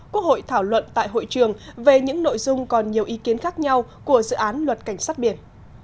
quốc hội thảo luận tại hội trường về những nội dung còn nhiều ý kiến khác nhau của dự án luật cảnh sát biển